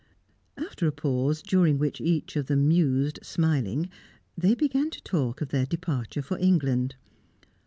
After a pause, during which each of them mused smiling, they began to talk of their departure for England.